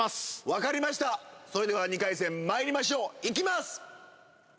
分かりましたそれでは２回戦まいりましょういきます